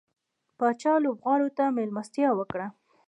پاچا لوبغاړو ته ملستيا وکړه.